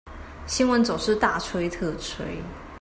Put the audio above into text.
新聞總是大吹特吹